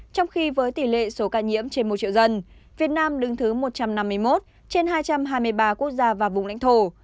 trong khi với tỷ lệ số ca nhiễm trên một triệu dân việt nam đứng thứ một trăm năm mươi một trên hai trăm hai mươi ba quốc gia và vùng lãnh thổ